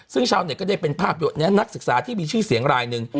ซึ่งชาวเน็ตก็ได้เป็นภาพนี้นักศึกษาที่มีชื่อเสียงรายหนึ่ง